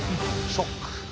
ショック。